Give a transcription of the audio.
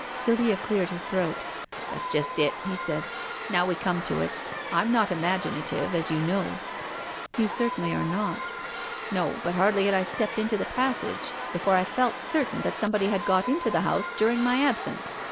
Guildea cleared his throat. " That's just it," he said, " now wc come to it. Fm not imaginative, as you know." " You certainly are not." " No, but hardly had I stepped into the pas sage before I felt certain that somebody had got into the house during my absence.